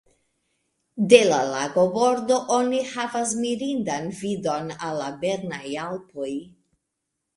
De la lagobordo oni havas mirindan vidon al la Bernaj Alpoj.